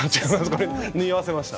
これ縫い合わせました。